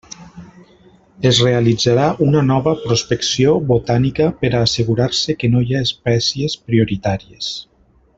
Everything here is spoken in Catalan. Es realitzarà una nova prospecció botànica per a assegurar-se que no hi ha espècies prioritàries.